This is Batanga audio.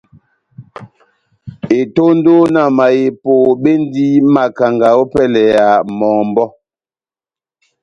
Etondo na mahepo bendi makanga ópɛlɛ ya mɔmbɔ́.